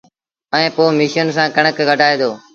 ائيٚݩ پو ميشن سآݩ ڪڻڪ ڪڍآئي دو